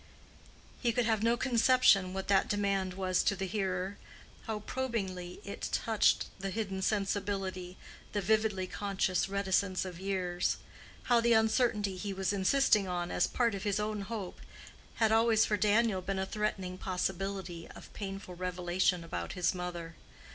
He could have no conception what that demand was to the hearer—how probingly it touched the hidden sensibility, the vividly conscious reticence of years; how the uncertainty he was insisting on as part of his own hope had always for Daniel been a threatening possibility of painful revelation about his mother.